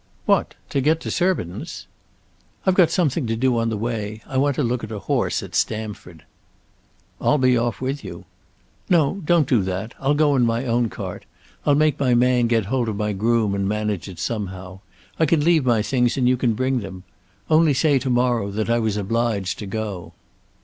"What; to get to Surbiton's?" "I've got something to do on the way. I want to look at a horse at Stamford." "I'll be off with you." "No; don't do that. I'll go in my own cart. I'll make my man get hold of my groom and manage it somehow. I can leave my things and you can bring them. Only say to morrow that I was obliged to go."